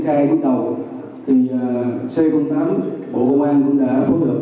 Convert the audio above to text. để cái máy chạy hút điện hóa tải do đó thì c tám cũng đã tham gia chúng ta nhanh tốc